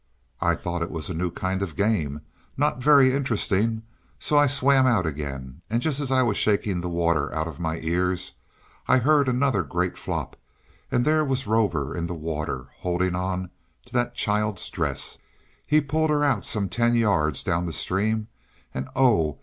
I thought it was a new kind of game, not very interesting, so I swam out again; and just as I was shaking the water out of my ears, I heard another great flop, and there was Rover in the water, holding on to the child's dress. He pulled her out some ten yards down the stream; and oh!